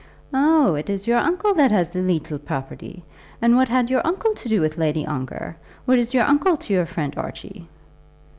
"Oh, it is your uncle that has the leetle property. And what had your uncle to do with Lady Ongar? What is your uncle to your friend Archie?"